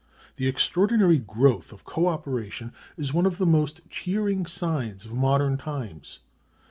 The extraordinary growth of co operation is one of the most cheering signs of modern times.